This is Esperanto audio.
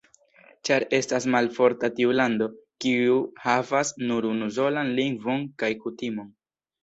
Ĉar estas malforta tiu lando, kiu havas nur unusolan lingvon kaj kutimon.